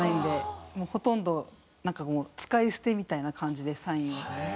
もうほとんどなんかもう使い捨てみたいな感じでサインを。